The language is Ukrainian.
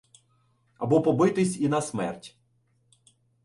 Або побитись і на смерть.